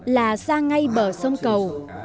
là ra ngay bờ sông cầu